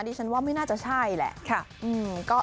ดิฉันว่าไม่น่าจะใช่แหละค่ะ